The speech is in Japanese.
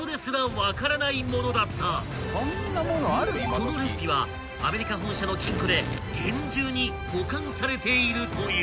［そのレシピはアメリカ本社の金庫で厳重に保管されているという］